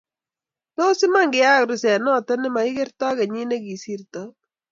Tos, Iman kiyeyak ruset noto nimagigertoi kenyit negisirtoi